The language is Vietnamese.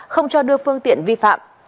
không cho đưa phương tiện vi phạm